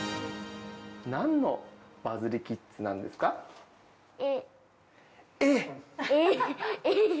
なんのバズリキッズなんです絵。